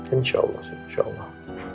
insya allah mas insya allah